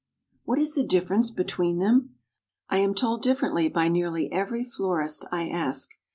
"What is the difference between them? I am told differently by nearly every florist I ask.